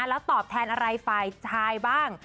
แล้วตอบแทนอะไรฝ่ายชายบ้าง